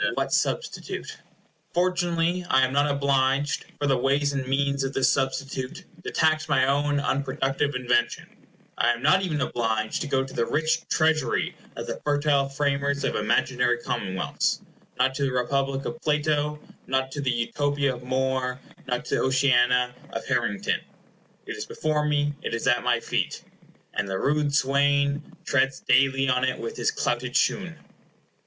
What substitute? Fortunately I am not obliged, for the ways and means of this substitute, to tax my own unproductive invention. I am not even obliged to go to the rich treasury of the fertile framers of imaginary commonwealths—not to the Republic of Plato, not to the Utopia of More, not to the Oceana of Harrington. It is before me—it is at my feet, "And the rude swain Treads daily on it with his clouted shoon."